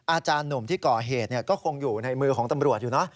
อาจารย์หนุ่มที่ก่อเหตุก็คงอยู่ในมือของตำรวจอยู่เนอะ